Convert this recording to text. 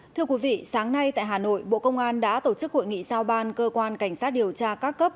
thưa quý vị sáng nay tại hà nội bộ công an đã tổ chức hội nghị sao ban cơ quan cảnh sát điều tra các cấp